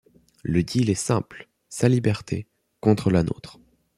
Le deal est simple : sa liberté contre la nôtre.